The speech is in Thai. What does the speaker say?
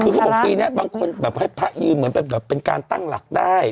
คือเขาบอกปีนี้บางคนแบบให้พระยืนเหมือนแบบเป็นการตั้งหลักได้